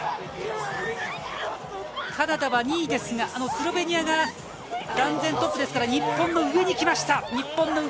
カナダは２位ですが、スロベニアが断然トップですから、日本の上にきました。